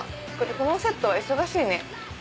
このセットは忙しいね。